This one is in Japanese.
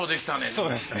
そうですね。